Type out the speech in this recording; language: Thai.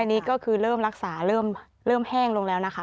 อันนี้ก็คือเริ่มรักษาเริ่มแห้งลงแล้วนะคะ